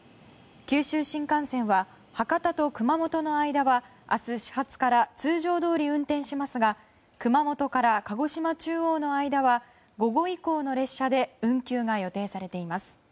九州新幹線は博多と熊本の間は明日、始発から通常どおり運転しますが熊本から鹿児島中央の間は午後以降の列車で運休が予定されています。